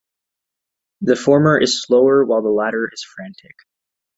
The former is slower while the latter is frantic.